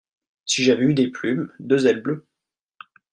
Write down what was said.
Si j'avais eu des plumes, deux ailes bleues.